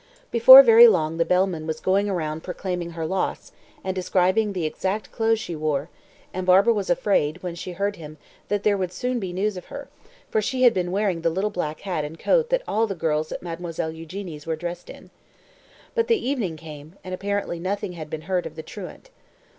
Before very long the bellman was going round proclaiming her loss, and describing the exact clothes she wore; and Barbara was afraid, when she heard him, that there would soon be news of her; for she had been wearing the little black hat and coat that all the girls at Mademoiselle Eugénie's were dressed in. But the evening came, and apparently nothing had been heard of the truant.